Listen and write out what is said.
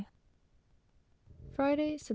Friday, Sept.